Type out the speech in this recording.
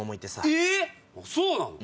えそうなの？